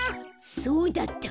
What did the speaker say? そうだった。